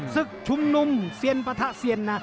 ศึกชุมนุมเซียนปะทะเซียนนะ